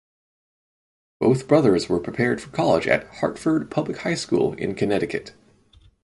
Both brothers were prepared for college at Hartford Public High School in Connecticut.